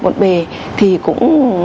một bề thì cũng